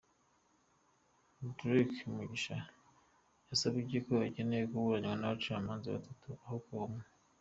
Drake Mugisha yasabye ko akeneye kuburanywa n’abacamanza batatu aho kuba umwe.